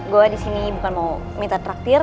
gue di sini bukan mau minta traktir